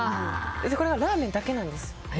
これがラーメンだけなんです。